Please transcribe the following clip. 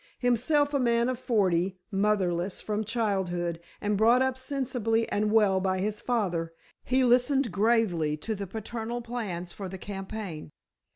Himself a man of forty, motherless from childhood, and brought up sensibly and well by his father, he listened gravely to the paternal plans for the campaign.